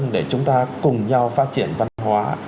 để chúng ta cùng nhau phát triển văn hóa